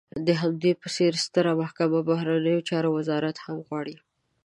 د همدې په څېر ستره محکمه، بهرنیو چارو وزارت هم غواړي.